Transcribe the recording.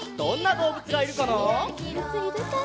どうぶついるかな？